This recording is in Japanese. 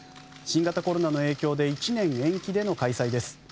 新型コロナの影響で１年延期での開催です。